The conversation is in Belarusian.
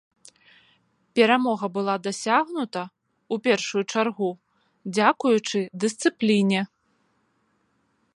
Перамога была дасягнута, у першую чаргу, дзякуючы дысцыпліне.